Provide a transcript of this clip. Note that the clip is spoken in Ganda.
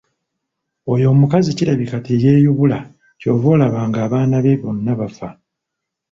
Oyo omukazi kirabika teyeeyubula ky'ova olaba ng'abaana be bonna bafa.